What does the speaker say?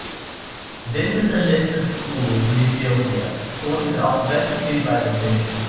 This is a list of schools in Ethiopia, sorted alphabetically by location.